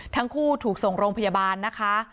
ทั้งคู่ถูกส่งโรงพยาบาลนะคะ